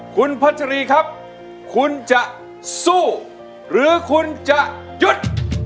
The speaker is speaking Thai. คุณพัชรีครับคุณจะสู้หรือคุณจะหยุด